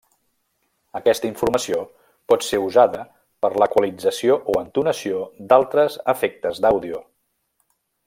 Aquesta informació pot ser usada per l'equalització o entonació d'altres efectes d'àudio.